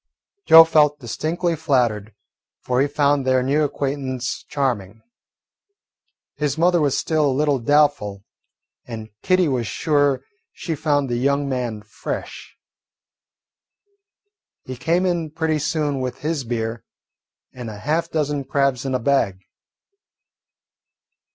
Joe felt distinctly flattered, for he found their new acquaintance charming. His mother was still a little doubtful, and Kitty was sure she found the young man "fresh." He came in pretty soon with his beer, and a half dozen crabs in a bag.